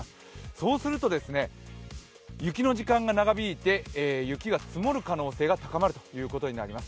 そうすると、雪の時間が長引いて雪が積もる可能性が高まります。